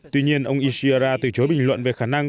tuy nhiên ông ishira từ chối bình luận về khả năng